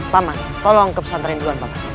paman tolong ke pesantren duluan pak